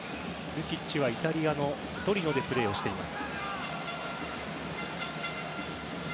ルキッチはイタリアのトリノでプレーしています。